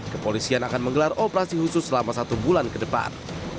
kepolisian akan menggelar operasi khusus selama satu bulan ke depan